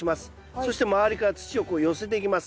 そして周りから土をこう寄せていきます。